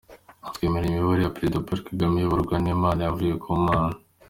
Twemera ko imiyoborere ya Perezida Paul Kagame iyoborwa n’Imana yavuye ku mana.